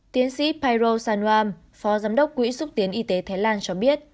tiến sĩ pairo sanuam phó giám đốc quỹ xúc tiến y tế thái lan cho biết